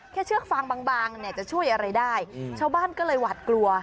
แค่เชือกฟางบางจะช่วยอะไรได้เช่าบ้านก็เลยหวัดกลัว